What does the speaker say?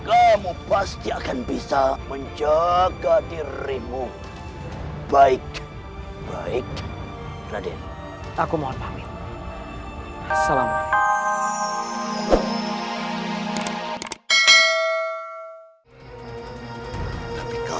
aku pasti akan menemukanmu dengan dia